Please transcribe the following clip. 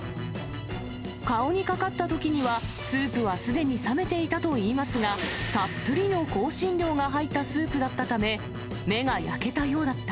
顔にかかったときには、スープはすでに冷めていたといいますが、たっぷりの香辛料が入ったスープだったため、目が焼けたようだった。